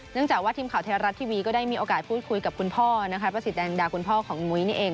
เนื่องจากว่าทีมข่าวเทรารัสทีวีก็ได้มีโอกาสพูดคุยกับคุณพ่อประสิทธิ์แดงดาคุณพ่อของมุ้ยเอง